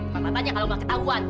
mata matanya kalau mau ketahuan